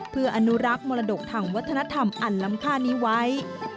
เพื่ออนุรักษ์มรดกทางวัฒนธรรมอันล้ำค่านี้ไว้